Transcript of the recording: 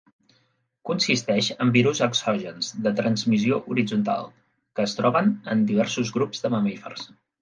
Consisteix en virus exògens de transmissió horitzontal que es troben en diversos grups de mamífers.